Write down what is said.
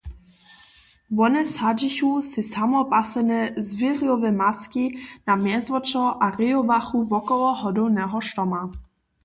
Wone sadźichu sej samopaslene zwěrjowe maski na mjezwočo a rejowachu wokoło hodowneho štoma.